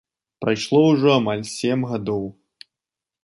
Прайшло ўжо амаль сем гадоў.